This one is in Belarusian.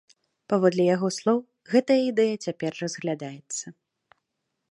Паводле яго слоў, гэтая ідэя цяпер разглядаецца.